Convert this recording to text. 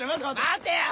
待てよ！